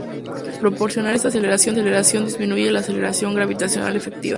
Proporcionar esta aceleración disminuye la aceleración gravitacional efectiva.